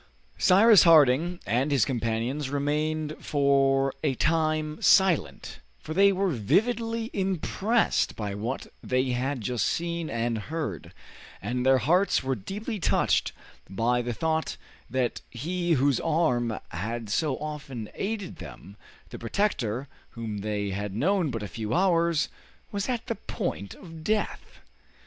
Cyrus Harding and his companions remained for a time silent, for they were vividly impressed by what they had just seen and heard, and their hearts were deeply touched by the thought that he whose arm had so often aided them, the protector whom they had known but a few hours, was at the point of death.